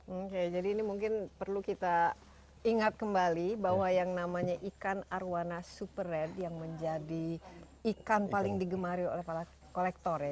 oke jadi ini mungkin perlu kita ingat kembali bahwa yang namanya ikan arowana super red yang menjadi ikan paling digemari oleh para kolektor ya